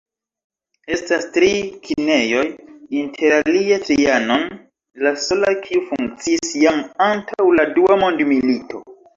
Estas tri kinejoj, interalie "Trianon", la sola kiu funkciis jam antaŭ la Dua Mondmilito.